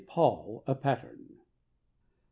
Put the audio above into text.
Paul a Pattern. 5 T.